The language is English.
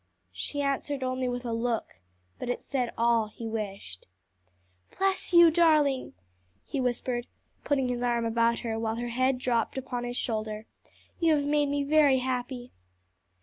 She answered only with a look, but it said all he wished. "Bless you, darling!" he whispered, putting his arm about her, while her head dropped upon his shoulder, "you have made me very happy."